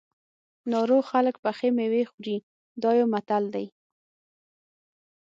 ناروغ خلک پخې مېوې خوري دا یو متل دی.